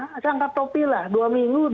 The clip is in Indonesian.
saya angkat topi lah dua minggu